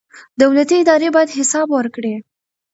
دولتي ادارې باید حساب ورکړي.